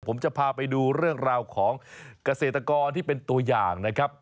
ผมจะพาไปดูเรื่องราวของเกษตรกรที่เป็นตัวอย่างนะครับ